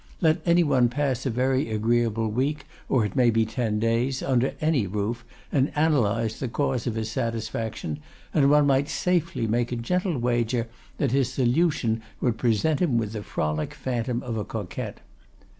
Let any one pass a very agreeable week, or it may be ten days, under any roof, and analyse the cause of his satisfaction, and one might safely make a gentle wager that his solution would present him with the frolic phantom of a coquette.